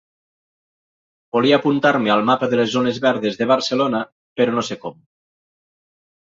Volia apuntar-me al mapa de les zones verdes de Barcelona, però no sé com.